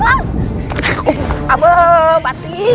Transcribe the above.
saya akan membaw martinez